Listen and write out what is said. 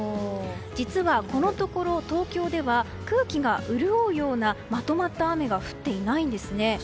実はこのところ東京では空気が潤うようなまとまった雨が降っていないんですね。